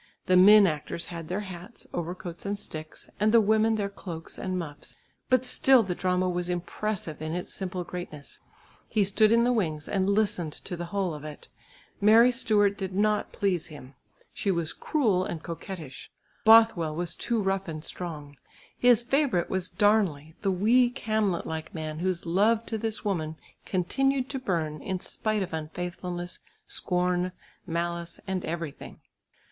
The men actors had their hats, overcoats and sticks, and the women their cloaks and muffs, but still the drama was impressive in its simple greatness. He stood in the wings and listened to the whole of it; Mary Stuart did not please him; she was cruel and coquettish; Bothwell was too rough and strong; his favourite was Darnley, the weak, Hamlet like man whose love to this woman continued to burn in spite of unfaithfulness, scorn, malice and everything.